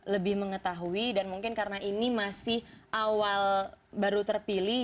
lebih mengetahui dan mungkin karena ini masih awal baru terpilih